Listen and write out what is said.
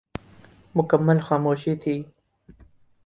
مکمل خاموشی تھی ۔